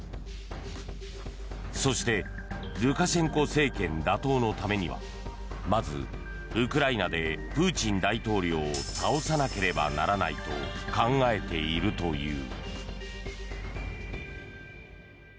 そして、ルカシェンコ政権打倒のためにはまず、ウクライナでプーチン大統領を倒さなけらばならないと考えているという。